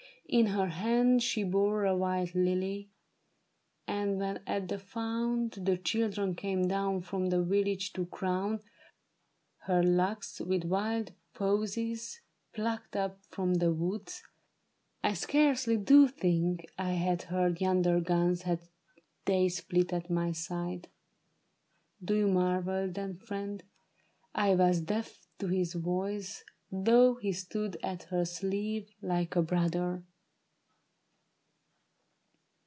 In her hand She bore a white Hly ; and when at the fount The children came down from the village to crown Her locks with wild posies plucked up from the woods, I scarcely do think I had heard yonder guns Had they split at my side. Do you marvel, then, friend, I was deaf to his voice, though he stood at her sleeve Like a brother